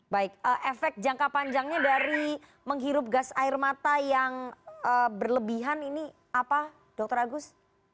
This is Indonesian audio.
baik efek jangka panjangnya dari menghirup gas air mata yang berlebihan ini apa dokter agus